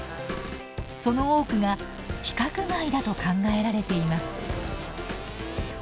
その多くが規格外だと考えられています。